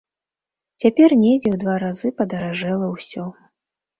Цяпер недзе ў два разы падаражэла ўсё.